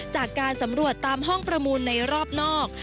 จากการสำรวจตามห้องประมูลในรอบนอก